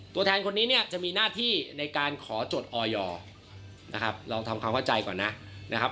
ตัวแทนคนนี้จะมีหน้าที่ในการขอจดออยลองทำความเข้าใจก่อนนะ